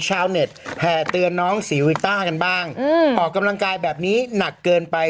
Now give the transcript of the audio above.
ชาวเน็ตแห่เตือนน้องศรีวิต้ากันบ้างออกกำลังกายแบบนี้หนักเกินไป